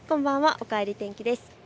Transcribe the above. おかえり天気です。